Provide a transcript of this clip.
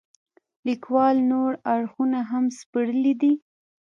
لیکوال نور اړخونه هم سپړلي دي.